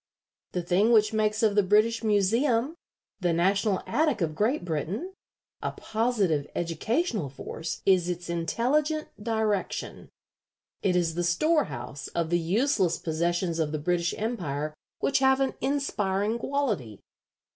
The thing which makes of the British Museum, the National Attic of Great Britain, a positive educational force is its intelligent direction. It is the storehouse of the useless possessions of the British Empire which have an inspiring quality.